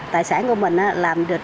tài sản của mình làm được